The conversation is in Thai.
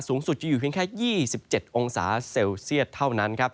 สูงสุดจะอยู่เพียงแค่๒๗องศาเซลเซียตเท่านั้นครับ